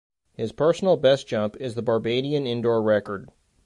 His personal best jump is the Barbadian indoor record.